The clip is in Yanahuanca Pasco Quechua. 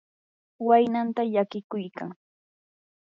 waynanta llakiykuykan.